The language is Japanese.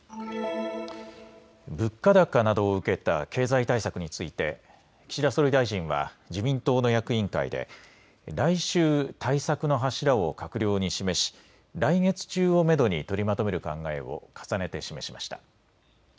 物価高などを受けた経済対策について岸田総理大臣は自民党の役員会で来週、対策の柱を閣僚に示し来月中をめどに取りまとめる考えを重ねて示しました。